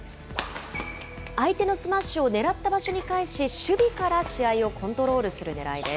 相手のスマッシュを狙った場所に返し、守備から試合をコントロールするねらいです。